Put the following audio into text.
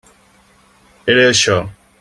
Era això.